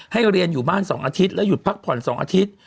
เรียนอยู่บ้าน๒อาทิตย์และหยุดพักผ่อน๒อาทิตย์